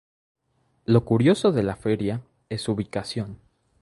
Lo curioso de la feria es su ubicación.